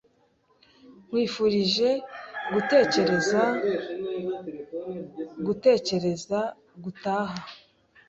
Nkwifurije gutekereza gutekereza gutaha.